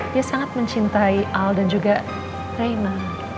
dia sangat mencintai al dan juga raina